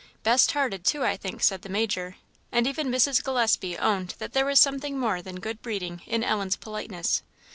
"Best hearted, too, I think," said the Major; and even Mrs. Gillespie owned that there was something more than good breeding in Ellen's politeness.